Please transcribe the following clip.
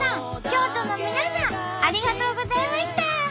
京都の皆さんありがとうございました。